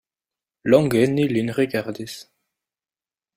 Longe ni lin rigardis.